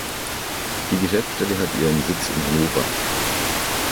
Die Geschäftsstelle hat ihren Sitz in Hannover.